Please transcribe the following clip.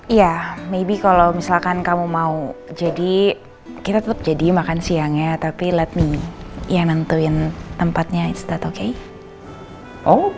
ya maybe kalau misalkan kamu mau jadi kita tetep jadi makan siang ya tapi let me yang nentuin tempatnya is that okay